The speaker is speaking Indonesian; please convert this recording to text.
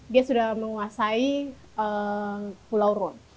dia sudah menguasai pulau ron